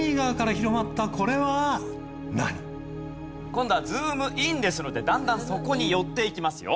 今度はズームインですのでだんだんそこに寄っていきますよ。